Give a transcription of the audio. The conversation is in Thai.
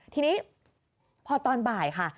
ทีนี้พอตอนบ่ายค่ะ